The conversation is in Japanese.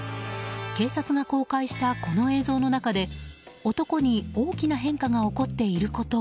警察が公開した、この映像の中で男に大きな変化が起こっていることを。